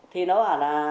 thì nó bảo là